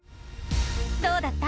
どうだった？